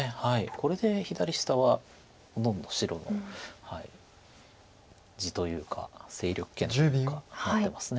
これで左下はほとんど白の地というか勢力圏というかなってます。